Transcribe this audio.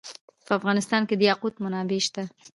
په افغانستان کې د یاقوت منابع شته.